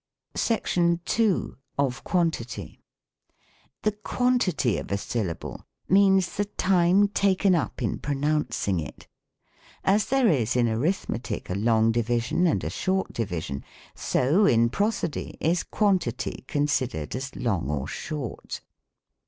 SECTION II. OF QUANTITY. The quantitj^ of a syllable means the time taken up in pronouncing it. As there is in Arithmetic a long division and a short division, so in Prosody is Quantity considered as long or short.